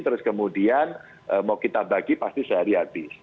terus kemudian mau kita bagi pasti sehari habis